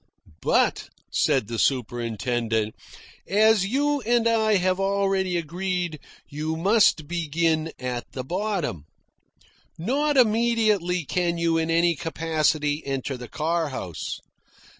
"But," said the superintendent, "as you and I have already agreed, you must begin at the bottom. Not immediately can you in any capacity enter the car house.